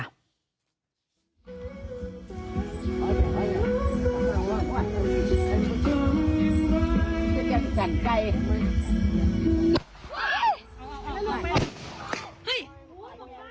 เอาลวกออกมาเห็นแหละ